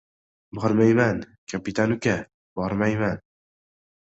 — Bormayman, kapitan uka, bormayman.